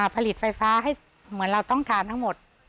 ผลิตไฟฟ้าให้เหมือนเราต้องการทั้งหมด